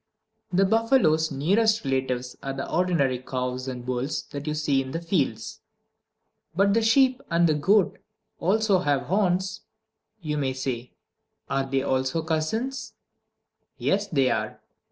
The buffalo's nearest relatives are the ordinary cows and bulls that you see in the fields. "But the sheep and the goat also have horns," you may say. "Are they also cousins?" Yes, they are.